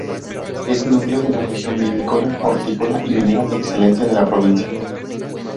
Es núcleo de una región vinícola, hortícola y minera por excelencia de la provincia.